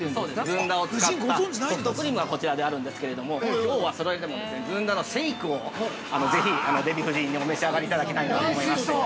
ずんだを使ったソフトクリームがこちらであるんですけれども、きょうは、ずんだのシェイクをぜひデヴィ夫人にお召し上がりいただきたいなと思いまして。